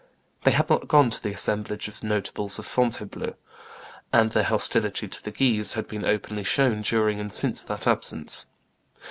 They had not gone to the assemblage of notables at Fontainebleau, and their hostility to the Guises had been openly shown during and since that absence.